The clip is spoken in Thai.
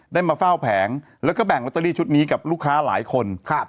ได้มาเฝ้าแผงแล้วก็แบ่งลอตเตอรี่ชุดนี้กับลูกค้าหลายคนครับ